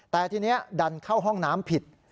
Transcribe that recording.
แต่ทีนี้ดันเข้าห้องน้ำผิด